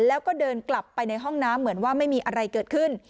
แล้วก็เดินกลับไปในห้องน้ำเหมือนว่าไม่มีอะไรเกิดขึ้น